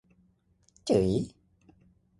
จึ๋ย